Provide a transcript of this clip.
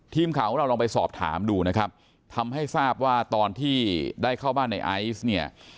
ทีมข่าวของเราลองไปสอบถามดูนะครับทำให้ทราบว่าตอนที่ได้เข้าบ้านในไอซ์เนี่ย